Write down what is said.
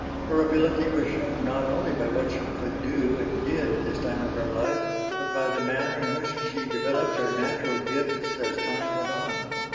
Her ability was shown not only by what she could do and did at this time of her life, but by the manner in which she developed her natural gifts as time went on.